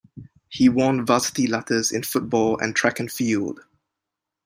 He won varsity letters in football and track and field.